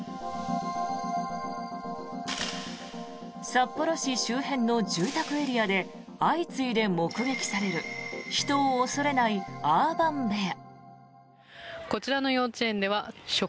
札幌市周辺の住宅エリアで相次いで目撃される人を恐れないアーバンベア。